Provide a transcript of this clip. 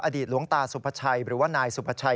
อดีตหลวงตาสุพชัย